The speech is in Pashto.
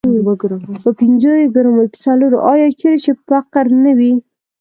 آیا چیرې چې فقر نه وي؟